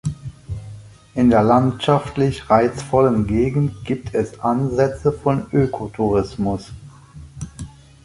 In der landschaftlich reizvollen Gegend gibt es Ansätze von Ökotourismus.